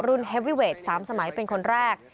รุ่นเฮ็ววิเวทสามสมัยเป็นคนแรก